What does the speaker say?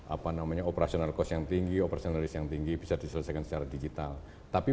apa namanya operational cost yang tinggi operasionalis yang tinggi bisa diselesaikan secara digital tapi